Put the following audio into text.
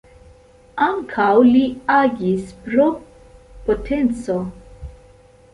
Ankaŭ li agis pro potenco.